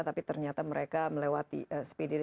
tapi ternyata mereka melewati spd